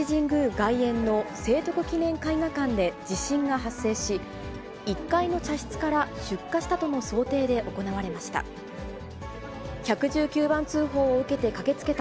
外苑の聖徳記念絵画館で地震が発生し、１階の茶室から出火したとの想定で行われました。